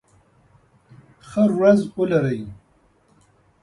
ښه ورځ ولرئ.